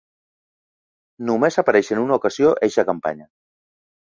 Només apareix en una ocasió eixa campanya.